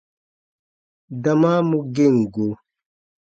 Dama mu gem go.